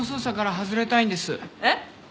えっ？